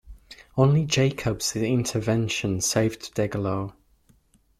Only Jacobs' intervention saved Degelow.